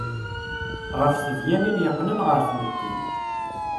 Ɣef tedyanin yeqqnen ɣer tmetti.